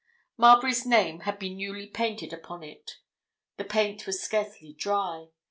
Marbury's name had been newly painted upon it; the paint was scarcely dry.